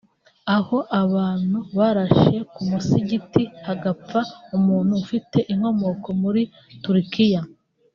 aho abantu barashe ku musigiti hagapfa umuntu ufite inkomoko muri Turukiya